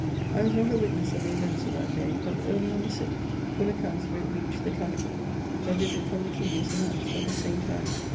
I was not a witness of the events of that day, but early on the 6th, full accounts of it reached the capital ; a visit from the king was announced at the same time.